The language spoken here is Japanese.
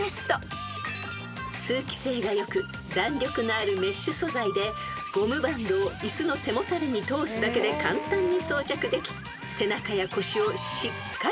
［通気性が良く弾力のあるメッシュ素材でゴムバンドを椅子の背もたれに通すだけで簡単に装着でき背中や腰をしっかりサポート］